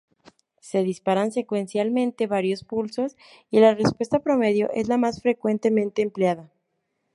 Se disparan secuencialmente varios pulsos y la respuesta promedio es la más frecuentemente empleada.